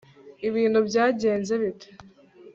ibintu byagenze bite